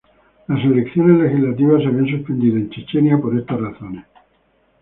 Las elecciones legislativas se habían suspendido en Chechenia por esas razones.